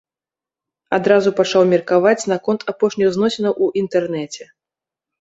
Адразу пачаў меркаваць наконт апошніх зносінаў у інтэрнэце.